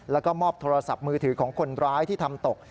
แล้วก็มอบโทรศัพท์มือถือของคนร้ายที่ทำตก